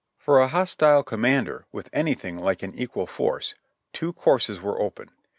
For a hostile commander with anything like an equal force, two courses were open.